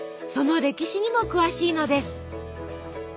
その歴史にも詳しいのです。